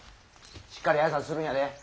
しっかり挨拶するんやで。